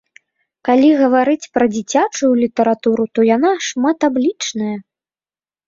Калі гаварыць пра дзіцячую літаратуру, то яна шматаблічная.